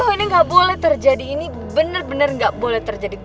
aduh ini gak boleh terjadi ini bener bener gak boleh terjadi